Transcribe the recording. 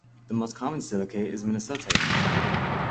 The most common silicate is Minnesotaite.